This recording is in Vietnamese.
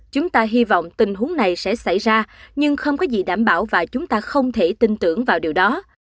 chúng ta hy vọng tình huống này sẽ xảy ra nhưng không có gì đảm bảo và chúng ta không thể tin tưởng vào điều đó